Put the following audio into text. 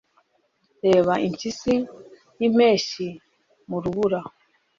reba impyisi yimpeshyi mu rubura